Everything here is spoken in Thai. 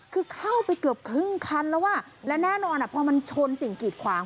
คือเข้าไปเกือบครึ่งคันแล้วอ่ะและแน่นอนพอมันชนสิ่งกีดขวาง